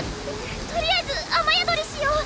とりあえず雨宿りしよう。